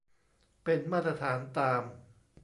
เป็นมาตรฐานตาม